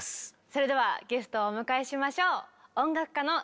それではゲストをお迎えしましょう。